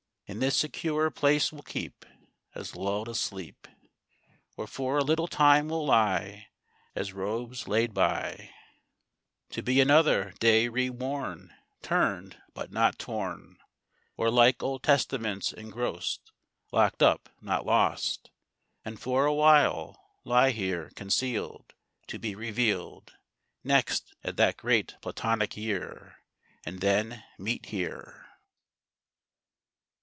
In this securer place we'll keep, As lull'd asleep; Or for a little time we'll lie, As robes laid by, To be another day re worn, Turn'd, but not torn; Or like old testaments engrost, Lock'd up, not lost; And for a while lie here conceal'd, To be reveal'd Next, at that great Platonic year, And then meet here.